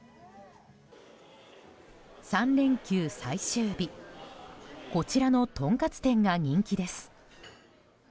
３連休最終日こちらのとんかつ店が人気です。